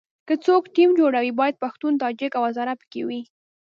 که څوک ټیم جوړوي باید پښتون، تاجک او هزاره په کې وي.